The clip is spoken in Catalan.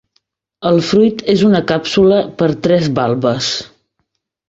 El fruit és una càpsula per tres valves.